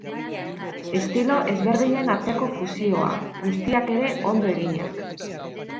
Estilo ezberdinen arteko fusioa, guztiak ere ondo eginak.